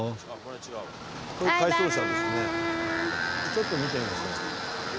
ちょっと見てみますか。